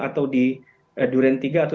atau di duren tiga atau